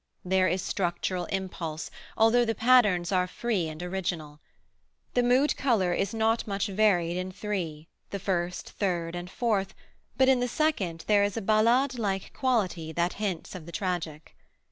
There is structural impulse, although the patterns are free and original. The mood color is not much varied in three, the first, third and fourth, but in the second there is a ballade like quality that hints of the tragic.